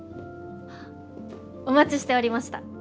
お待ちしておりました。